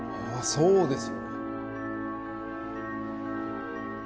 そうですよ。